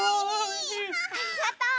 ありがとう。